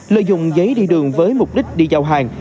lợi dụng giấy đi đường với mục đích đi giao hàng